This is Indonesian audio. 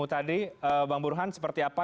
tadi bang burhan seperti apa